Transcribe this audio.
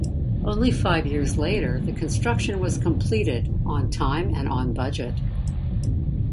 Only five years later the construction was completed on time and on budget.